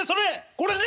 これね？